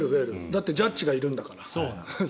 だってジャッジがいるんだもん。